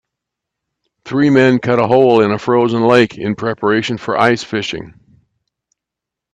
Three men cut a hole in a frozen lake in preparation for ice fishing.